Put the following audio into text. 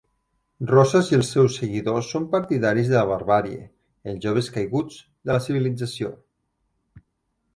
Rosas i els seus seguidors són partidaris de la barbàrie, els joves caiguts, de la civilització.